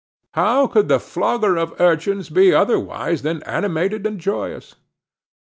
How could the flogger of urchins be otherwise than animated and joyous?